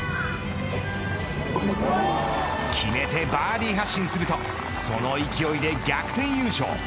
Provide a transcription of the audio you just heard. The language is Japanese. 決めて、バーディー発進するとその勢いで逆転優勝。